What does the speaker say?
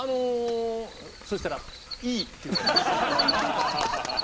そうしたら「いい」って言われました。